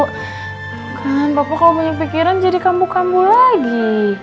bukan bapak kalau banyak pikiran jadi kambu kambu lagi